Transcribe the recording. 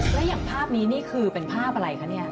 แล้วอย่างภาพนี้นี่คือเป็นภาพอะไรคะเนี่ย